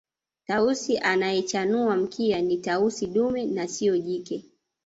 Tausi anayechanua mkia ni Tausi dume na siyo jike